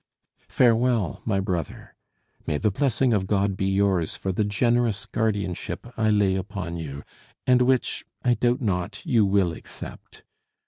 Farewell, my brother! May the blessing of God be yours for the generous guardianship I lay upon you, and which, I doubt not, you will accept.